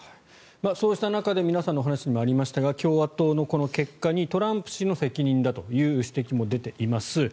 そうした中で皆さんのお話にもありましたが共和党のこの結果にトランプ氏の責任だという指摘も出ています。